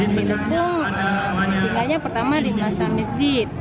di lepung tinggalnya pertama di masamizid